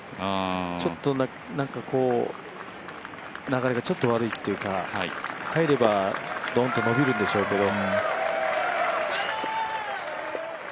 ちょっと、流れがちょっと悪いというか入ればドンと伸びるんでしょうけど。